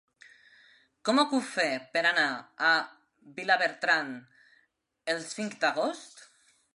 Com ho puc fer per anar a Vilabertran el cinc d'agost?